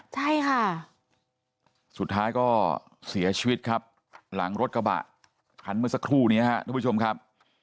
ใช่ค่ะสุดท้ายก็เสียชีวิตครับหลังรถกระบะคันเมื่อสักครู่นี้ครับทุกผู้ชมครับ